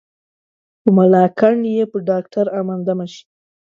په ملاکنډ یې په ډاکټر امن دمه شي.